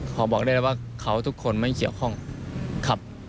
บอกได้แล้วว่าเขาทุกคนไม่เกี่ยวข้องครับ